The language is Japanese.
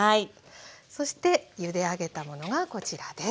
そしてゆで上げたものがこちらです。